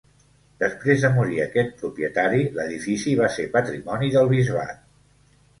Després de morir aquest propietari l'edifici va ser patrimoni del bisbat.